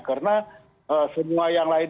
karena semua yang lain